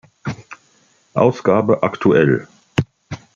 Ausgabe aktuell.